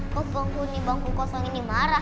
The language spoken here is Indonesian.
kok bangku ini bangku kosong ini marah